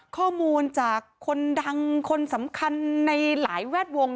ข้อมูลจากคนดังคนสำคัญในหลายแวดวง